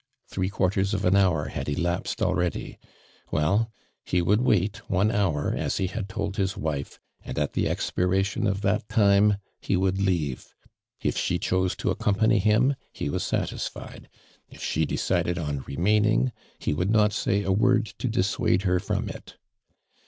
Three quartei*s of an hour hatl elapsed al ready. Well, he would wait one hour as he had told his wife, and at tho expiration of tiiat time, he would Iciivc. If she chose to accompany him ho was satisfied — if she de cided on remaining, he would not say a word to dissuaile her from it.